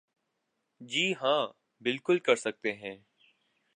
جی ہاں بالکل کر سکتے ہیں ۔